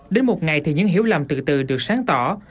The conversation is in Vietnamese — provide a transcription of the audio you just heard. đến một ngày thì những hiểu làm từ từ được sáng tỏ